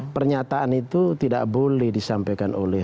pernyataan itu tidak boleh disampaikan oleh